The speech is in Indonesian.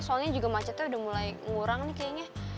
soalnya juga macetnya udah mulai ngurang nih kayaknya